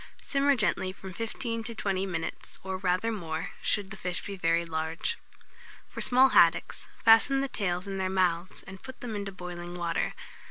Simmer gently from 15 to 20 minutes, or rather more, should the fish be very large. For small haddocks, fasten the tails in their mouths, and put them into boiling water.